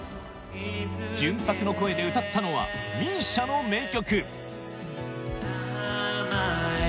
純白の声で歌ったのは ＭＩＳＩＡ の名曲